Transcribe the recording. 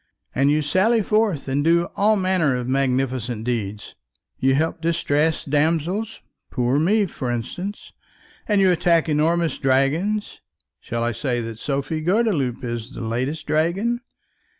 And you sally forth and do all manner of magnificent deeds. You help distressed damsels, poor me, for instance; and you attack enormous dragons; shall I say that Sophie Gordeloup is the latest dragon?